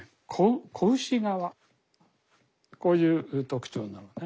子牛皮こういう特徴なのね。